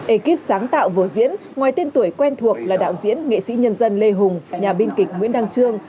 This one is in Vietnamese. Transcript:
ekip sáng tạo vở diễn ngoài tên tuổi quen thuộc là đạo diễn nghệ sĩ nhân dân lê hùng nhà biên kịch nguyễn đăng trương